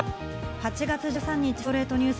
８月１３日、『ストレイトニュース』。